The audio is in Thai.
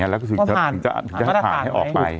แล้วก็ถึงจะหาให้ออกไป